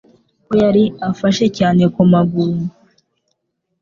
ko yari afashe cyane ku maguru